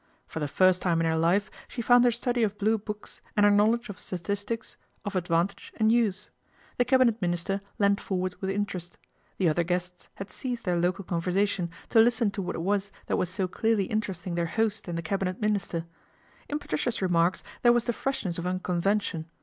For the first time in her life sh found her study of Blue Books and her knowledg of statistics of advantage and use. The Cabine Minister leaned forward with interest. The othe guests had ceased their local conversation t listen to what it was that was so clearly inter esting their host and the Cabinet Minister I Patricia's remarks there was the freshness c unconvention.